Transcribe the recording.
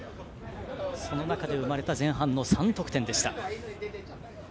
その中で生まれた前半３得点。